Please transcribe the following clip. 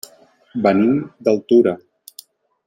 Venim d'Altura.